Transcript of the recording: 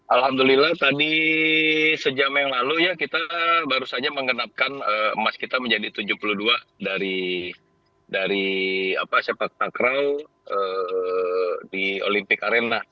alhamdulillah tadi sejam yang lalu ya kita baru saja mengenapkan emas kita menjadi tujuh puluh dua dari sepak takraw di olimpik arena